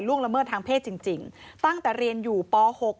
ละเมิดทางเพศจริงตั้งแต่เรียนอยู่ป๖